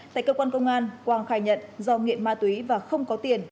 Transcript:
tại cơ quan công an quang khai nhận do nghiện ma túy và không có tiền